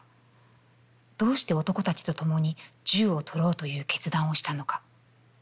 どうして男たちとともに銃をとろうという決断をしたのか？